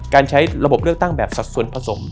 การใช้ระบบเลือกตั้งแบบสัดส่วนผสม